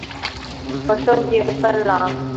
可升级成奔狼。